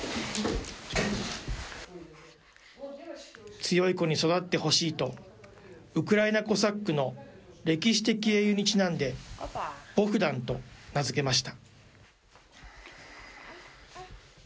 強い子に育ってほしいと、ウクライナ・コサックの歴史的英雄にちなんで、ボフダンと名付けました。